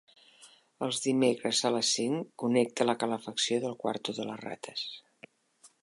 Els dimecres a les cinc connecta la calefacció del quarto de les rates.